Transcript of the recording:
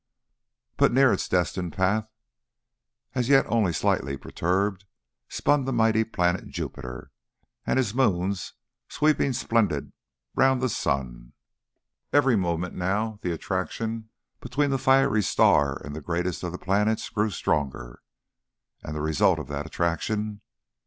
But near its destined path, as yet only slightly perturbed, spun the mighty planet Jupiter and his moons sweeping splendid round the sun. Every moment now the attraction between the fiery star and the greatest of the planets grew stronger. And the result of that attraction?